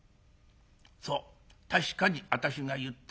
「そう確かに私が言った。